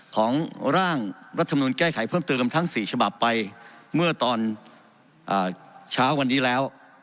ของร่างรัฐมนุนแก้ไขเพิ่มเติมทั้ง๔ฉบับไปเมื่อตอนเช้าวันนี้แล้ว